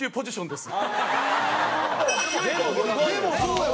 でもそうよ。